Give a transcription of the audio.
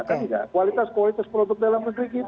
tidak kualitas kualitas produk dalam negeri kita itu luar biasa